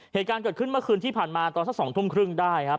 เหตุการณ์เกิดขึ้นเมื่อคืนที่ผ่านมาตอนสัก๒ทุ่มครึ่งได้ครับ